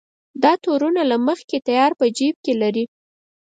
دا تورونه له مخکې تیار په جېب کې لري.